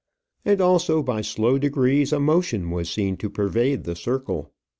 And also, by slow degrees, a motion was seen to pervade the circle.